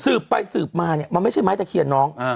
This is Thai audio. สืบไปสืบมาเนี่ยมันไม่ใช่ไม้ตะเคียนน้อง